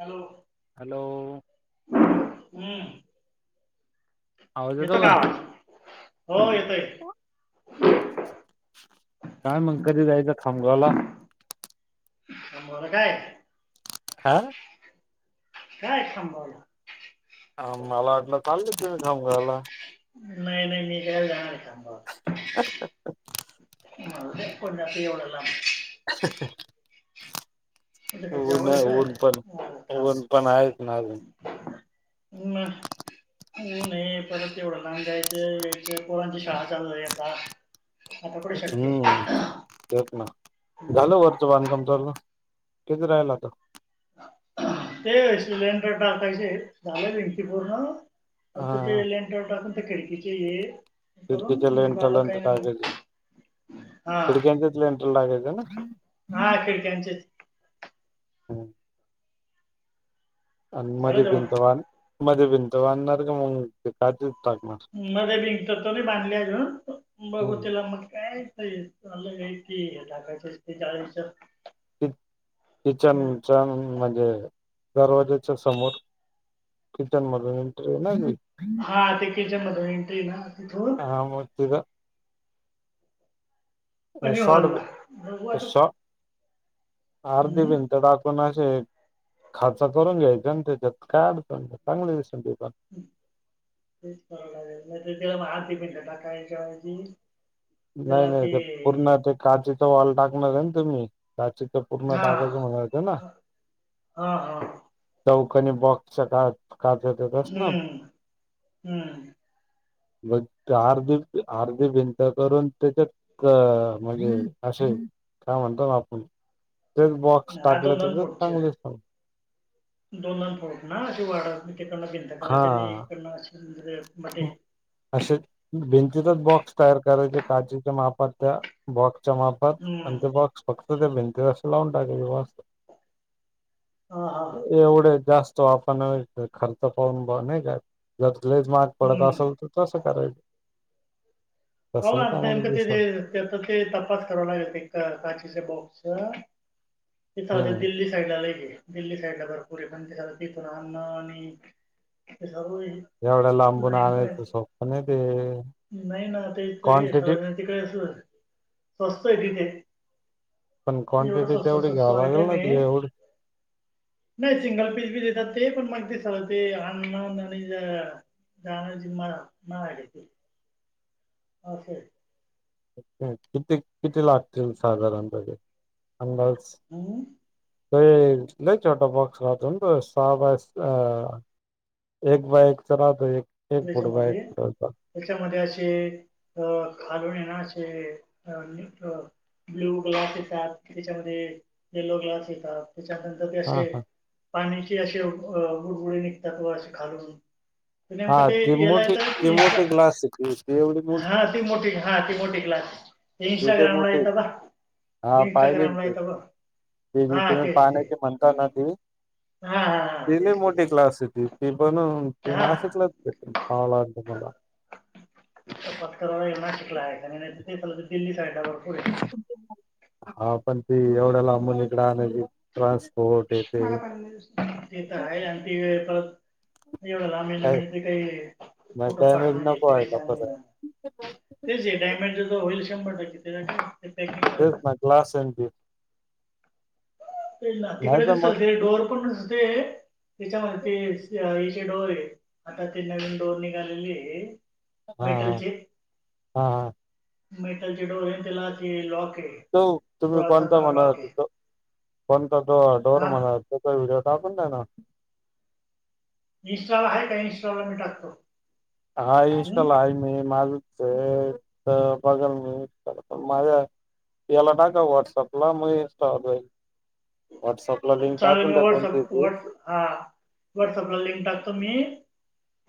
Hello. Hello हम्म. येतो का आवाज? हो येतोय काय मंग कधी जायचं? खामगावला. [unintelligible] काय? हा? काय थांबवलं? आ मला वाटलं चालले तुमी खामगावला. नाय नाय मी [unintelligible] जाणार का? [unintelligible] मरु दे कोन जातंय एवढ्या लांब. [unintelligible] म्हणजे काय ऊन जवळ आहे काय ऊन पण बरं, ऊन पण आहेच ना अजून. [unintelligible] ना उन हे परत एवढं लांब जायचं, यायचं पोरांची शाळा चालू झाली आता. आता कुठे शक्य आहे हम्म तेच ना हम्म. झालं वरचं बांधकाम चालू? किती रायलं आता? ते सिलेंडर टाकायचेत झाले भिंती पूर्ण फक्त ते. हा [unintelligible] खडकीचे हे करून खिडकीच्या मुली बाला [unintelligible] काही नाही टाकायचे मग हा खिडक्यांच्याचं लेंथ ला टाकायचं. चला हा खिडक्यांचेच हम्म. आणि झालं मधे जेवण भिंत [unintelligible] मधे भिंत [unintelligible] मध्ये भिंत कधी बांधलीय गं बघू तिला टाकणार मग काय [unintelligible] टाकायचं ते चाळीसचं. [unintelligible] म्हणे दरवाज्याच्या समोर किचन मधून एंट्री नाही नाही का? हा ते किचनमध मधून एन्ट्री आहे ना. तिथून हा मोत तुझ. पण शॉर्ट हॉलला बघू आता शॉर्ट अर्धी हम्म भिंत टाकवून खाचा करून घ्यायचा त्याच्यात कायड चांगले दिसते. तेच पाहावं लागेल ना ते. त्याला म हाती [unintelligible] नाही नाही ते पूर्ण ते काज वाॉल टाकणार आहे ना तुम्ही. त्याची तर पूर्ण हा टाकायच म्हणायचं ना हा हा चौ कणी बॉक्सकात काज होतस ना हम्म हम्म बघ आर्ध आर्ध भिंत करून त्याच्यात म्हणजे असे का म्हणतो ना आपण तेच बॉक्स हा टाकले तर दोनदोन तेच फूट चे चांगले दिसल दोनदोन फूट ना अशे वाडा भिंत करायचे आणि हिकडन असे असं भिंती च बॉक्स तयार करायचे काचेच्या मापात त्या बॉक्स च्या मापात आणि ते हम्म बॉक्स तू ते भिंतीला असे लावून टाकायचं बस. हा हा एवढे जास्त तो आपण खर्च पाहून नाही का. लईच मार्क पडत हम्म असेल तर तसं करायचं. हो तसं चांगलं नेमकं ते जे दिसल ते तपास करावं लागेल काचेच बाॅक्स हो तेथ हम्म दिल्ली साईडला लई आहे दिल्ली साईडला भरपूर आहे पण ते तिथ राहणं आणि सर्व हे एवढ्या लांबून लाईन पण आणायचं आहे सोप्प नाही ते नाही ना ते तिकडे क्वांटिटी अस मस्त आहे तिथे, पण एवढं क्वांटिटी स्वस्त तेवढी स्वस्त घ्याव लागेल आयटम ना आहे ते एवढी नाही. सिंगल पीस बी देतात ते पण मग दिसल ते आणंण आणि जाण्याची महाग तिथे असय किती किती लागतील साधारणपणे अंदाज हम्म त नाही छोटा बॉक्स राहतो. तो सहा बाय एक बाय एकचा राहतो. एक एक फुट बाईक त्याच्यामध्ये ठेवतो त्याच्यामध्ये असे अ खालून येणार. असे नाही का ब्ल्यु ग्लास येतात. त्याच्यामध्ये येलो ग्लास येतात. त्याच्यानंतर ते हा असे हा पाण्याचे असे अ वर निघतात असे खालून तर हा नेमकं ती ते याला मोठी ती येत मोठी ग्लास एक वीस तेवढी हा ती मोठी हा ती मोठी ग्लास तिथे मोठीे हा पाहिली इंस्टाग्रामला ते येतं बघ त हा जिथे तेच ते पाण्याची म्हणता ना ती, हा हा हा ते लई तेच मोठे तेच ग्लास होते ते पण ते हा नाशिकलाच पाहिला होतास ना पत्कराला पाहीला भरपर हा पण ती एवढ्याला लांबलं ईकड आणली खास मला पण ते तर आहे आणि ती परत एवढं लांबे काय म्हणजे ते काही मग फुटून पाटून डॅमेज म्हणजे नको ते काही व्हायला चांगलं आहे परत ना तेच डायमेंज होईल शंभर टक्के तर यायचं ना तेच ना ग्लास अन ते ते ना तिकडे दिसलते डोअर पण असते त्याच्यामध्ये साईज डोर आहे आता ते नवीन डोर निघालेली हे हा हम हा हम मेटलचे डोरे अन तेला ते लॉक आहे तो तुम्ही सोळा कोणता सतरा लॉक म्हणालात आहे तो पण तो जो डोर हा म्हणायचं हे च्यात आपण हा ना इन्स्ट्राला आहे काय इन्स्ट्राला मी टाकतो हाय इंस्टॉला हम्म आहे मी माझ ते तर बघल मी पण माझ्या याला टाका व्हॉट्सअपला मग इस्टाला जाईल व्हॉट्सअपला लिंक चालेल टाकून मी द्या कोणती ती व्हॉट्सअप हा व्हॉट्सअपला लिंक टाकतो मी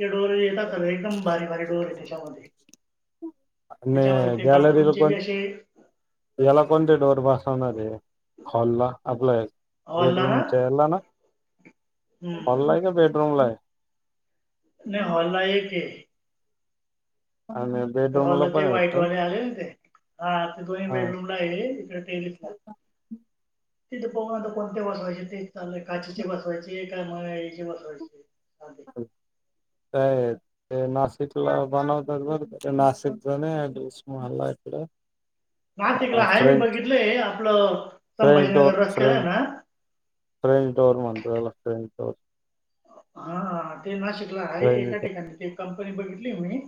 हे डोर येत सर्व एकदम भारी भारी डोर त्यामध्ये. म गॅलरी ल कोण असे एला कोते डोर बसवनारे. हॉलला आपलास बेड हॉलला ना रूम च्या हे ला ना हम्म हॉल आहे का बेड रूमला आहे? नाही हॉल ना एक आहे. आणि ते बेडरूमला हॉलला पण ते आहे वाटत. व्हाईटवाले आले ना ते हा ते दोन्ही बेडरूम ला आहे. इकडे टेरेसला. तिथे बघू आता कोणते बसवायचे ते. चाललय काचीचे बसवायचे त्या मूळ ए सी बसवायचं. काय? ते नाशिकला बनवतात बर. नाशिक जणेस मला इकड नाशिकला आहे मी बघितलंय. आपलं फ्रेंच डोअर संभाजीनगर रस्त्याला आहे फ्रेंच ना? हो. हा ह. ते नाशिकला आहेत एका फ्रेंच ठिकाणी ते कंपनी बघितली मी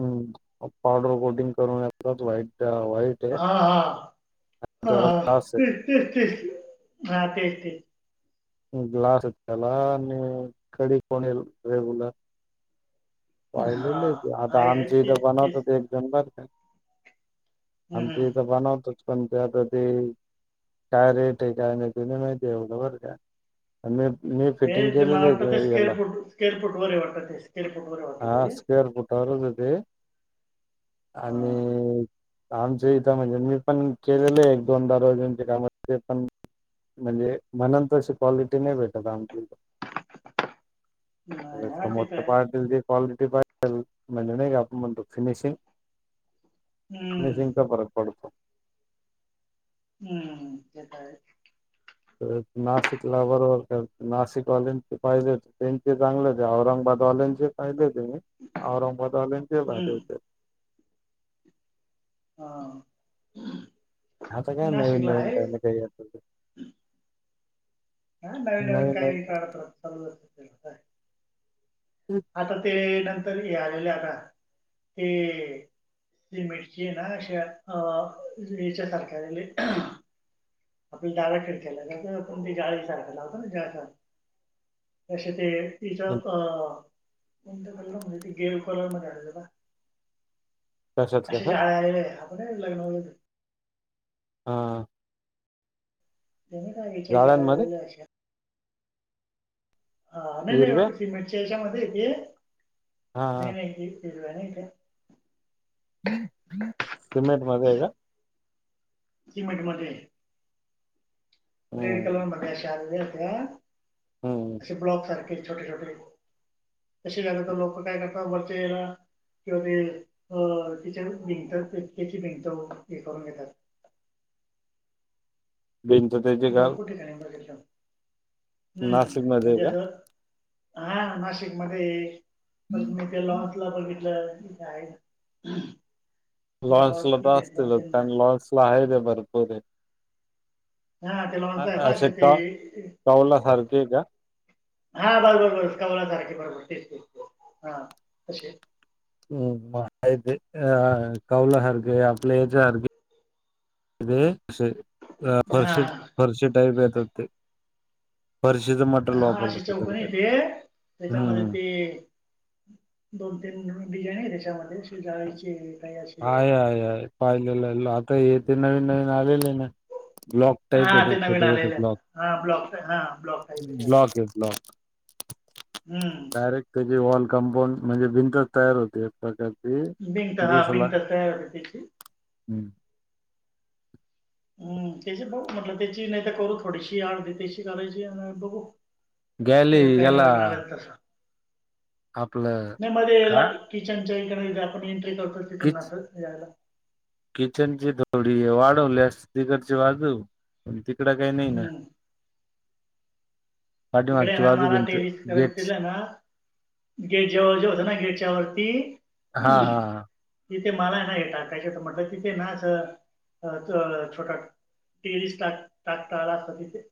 हम्म पावडर कोटिंग करून येतच व्हाईट व्हाईट आहे हा हा हा त्याला हा ग्लास तेच तेच तेच. हा तेच तेच. ग्लास त्याला आणि कडी पण ये रेगुलर. पाहिलेले हा आता आहे आहे आमचे इथ तेच बनवतो तेच ते एक जण बर का. हम्म आमच्या हम्म इथं बनवतो. पण त्यातते काय रेट आहे काय नाही ते नाही माहिती एवढ बर का आणि मी. मी हे फिटिंग ते मला केलेली वाटतं ते आहे याला स्केवअर फूट स्केवअर फूट वरे वाटत ते स्केवअर फुट हा स्क्वेअर फुठवरचे ते हा आणि आमच इथं म्हणजे मी पण केलेले आहे एक दोनदा रोजनचे काम ते पण. म्हणजे म्हणून तशी क्वालिटी नाही भेटत आमची नाही हा समोर तिथं तर आहे पाहतील घे कॉल घे रिफाईल म्हणजे नाही का आपण म्हणतो फिनिशिंग. हम्म मिसिंगचा फरक पडतो हम्म येताहेत. तर नाशिकला बरोबर नाशिक वालेंचे पाहिजे त्यांचे चांगले ते चांगलं औरंगाबाद वालेंचे जे पाहिले ते औरंगबाद वालेंचे पाहीले हम्म होते. हां आता काय नवीन नवीन टर्न काही असेल ते. हां नवीन नवीन काहीतर [unintelligible] आता ते नं तर हे आलेले आहे ना ते मिरची हे ना अशे अ याच्या सारखे आलेले आपल्या डाव्या खिडक्याला लावतो न आपण ते जाळीसारखा लावतो ना जाळीसारखा तसे ते. तिच्यावर अ कोणत्या कलर मध्ये ते [unintelligible] कलर मध्ये आलेलं ना? कशात असे कशात जाळ आलेले हा. [unintelligible] हां तेनी काय विचार जाळ्यांमध्ये [unintelligible] अशा हां नाही नाही हिरव्या ओ सिमेंट च्या हेच्यामध्ये. [unintelligible] हा नाही नाही जी शिजवाना इथे सिमेंट मध्ये आहे का सिमेंटमध्ये रेड हम्म कलर मध्ये अशे आणले. का हम्म अशे ब्लॉक सारखे छोटे छोटे तसे झाले तर लोक काय करतात वरचे हेला किंवा ते अ किचन भिंत [unintelligible] भिंत हे करून घेतात भिंत तेचे काल भरपूर ठिकाणी बघितलं नाशिक मध्ये का? हां नाशिक मध्ये परत मी ते लॉन्स ला बघितलं [unintelligible] लॉन्स गावात ला तर तिथे दोन असतील तीन कारण जण लॉन्स ला आहे ते भरपूर हा त्याला अ- म्हणतय पा असे का ते कावला सारखे आहे का? हा बरो बर बर कवला तारख बरोबर तेच तेच ते हा क [unintelligible] असे हा फरशी फरशी टाईल गत ये ते फरशीचं मटेरियल हा वापरलं अशी होत चौकन त्याला ते येते त्याच्यामध्ये हम्म ते दोन तीन डिझाईन आहेेत च्या ज आहेचे [unintelligible] हा आहेय आहे पाहिलेला ये ते नवीन नवीन आलेले आहे ना ब्लॉक टाईप हा आहे ते नवीन छोटे छोटे आलेले आहेत ब्लॉक हा ब्लॉक हा ब्लॉक टाईप त्या. ब्लॉक आहे ब्लॉक [inaudible] हम्म ज वॉल कंपाऊंड म्हणजे भिंतच तयार होते प्रत भिंत हा अपंत त्या तेच [unintelligible] हम्म हम्म त्याची बगु म्हटलं त्याची नाही तर करू थोडीशी अडदी त्याशी करायची आणि बघू गॅली अजून काही गला नवीन आलं तर तसं नाही मध्ये किचन आप कि [inaudible] [unintelligible] किचनची थोडी वाढवलि असती तिकडची बाजू तिकड काही नाही ना हम्म तिकडे पाठीमागची ना बाजू भिंत मराठी गेट केला ना गेट जेवळ जे होत ना गेटच्या वरती हा हा तिथे मला नाही टाकायचे तर म्हटलं तिथे नाच छोटा टेरिस टाक टाकताला अस तिथे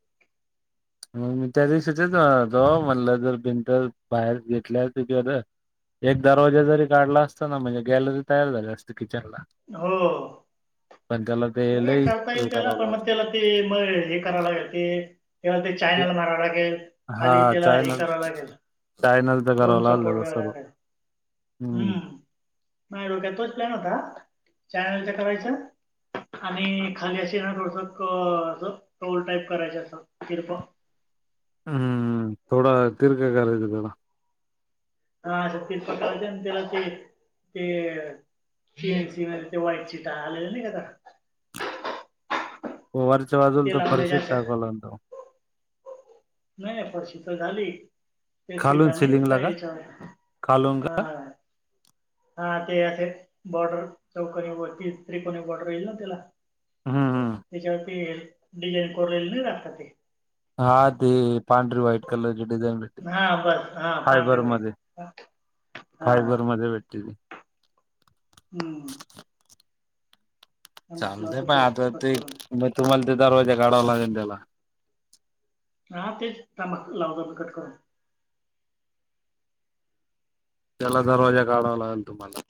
मग मी त्या दिवशी तेच म्हतो म्हटलं जर भिनंतर बाहेर घेतल्या त क एक दरवाजे जरी काढला असता ना म्हणजे गॅलरी तयार झाली असते किती [unintelligible] का करता येईल त्याला पण मग त्याला ते मग हे कराय लागेल ते ह तेव्हा ते चायनल माराय लागेल हा खाली त्याला हे चायनल कराव लागेल चायनलच दोन करावं सपोर्ट लागलेलं द्यालाला सर्व लागेल हम्म नाही रडोक्या तोच प्लॅन होता चॅनलच्या करायचा आणि खाली ना थोडसं अस टोल टाईप करायचे असं तिरक हम्म थोडा तीरक घालायचं जरा हा असं तेच पकारच त्याला ते ते सीएनसी ते व्हाईट शीट आलेलं नाही काता. हो वरच्या बाजूला तर फरशीच टाकायला तो. नाही नाही फडशी तर झाली ते खालून सीटा नाहीत का सिलिंगला यच्यावर खालून हा का हा ते असे. बॉर्डर चौकनी वरती त्रिकोणी बॉर्डर येईल ना तिला हम्म हम्म हेच्यावरती डिझाईन कोरलेली नाही राहत का ते. हा ते पांढरी व्हाईट कलरची डिझाईन भेटते हा बस हा पांढरे फायबर मध्ये वाईट हा फायबर मध्ये भेटते ती. हम्म. थांबा चालत लावतो पण परत आता कट ते करून मग तुम्हाला ते दरवाजा काढावा लागल त्याला. हा तेच थांबा लावतो कट करून. त्याला दरवाजा काढावा लागेल तुम्हाला.